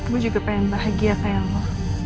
gue juga pengen bahagia kayak lo